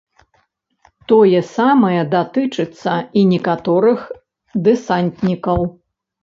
Тое самае датычыцца і некаторых дэсантнікаў.